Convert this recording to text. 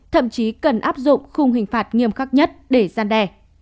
thậm chí cần áp dụng khung hình phạt nghiêm khắc nhất để gian đe